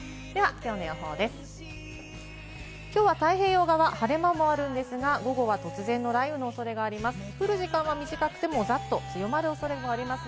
きょうは太平洋側は晴れ間もあるんですが、午後は突然の雷雨のおそれがあります。